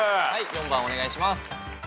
４番お願いします。